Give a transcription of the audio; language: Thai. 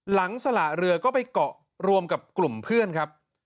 สละเรือก็ไปเกาะรวมกับกลุ่มเพื่อนครับ